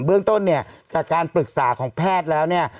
เบื้องต้นเนี่ยจากการปรึกษาของแพทย์แล้วเนี่ย